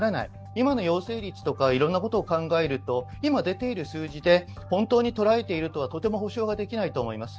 今の陽性率とかいろんなことを考えると、今出ている数字で本当に捉えているとはとても保障ができないと思います。